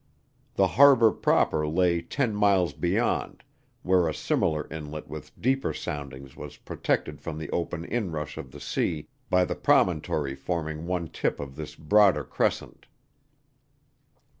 The harbor proper lay ten miles beyond, where a smaller inlet with deeper soundings was protected from the open inrush of the sea by the promontory forming one tip of this broader crescent.